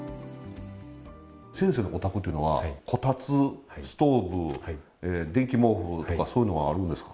先生のお宅というのは、こたつ、ストーブ、電気毛布とかそういうのはあるんですか。